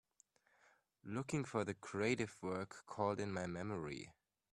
Looking for the crative work called In my memory